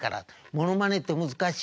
「ものまねって難しいでしょ？」。